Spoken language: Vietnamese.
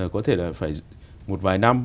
có thể là phải một vài năm